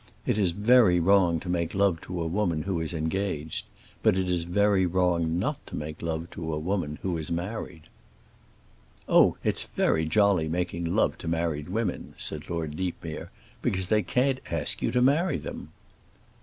It is very wrong to make love to a woman who is engaged, but it is very wrong not to make love to a woman who is married." "Oh, it's very jolly making love to married women," said Lord Deepmere, "because they can't ask you to marry them."